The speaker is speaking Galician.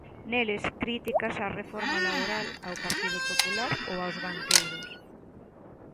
Neles, críticas á reforma laboral, ao Partido Popular ou aos banqueiros.